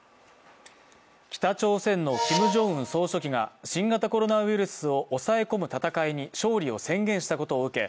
北朝鮮のキム・ジョンウン総書記が新型コロナウイルスを抑え込む戦いに勝利を宣言したことを受け